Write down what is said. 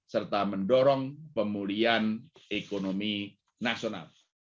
serta mendorong pemulihan ekonomi nasional